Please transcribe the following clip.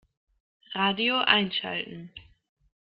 Radio einschalten.